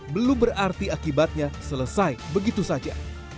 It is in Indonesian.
belum berarti akibatnya selesai begitu saja